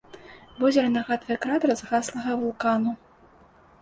Возера нагадвае кратар згаслага вулкану.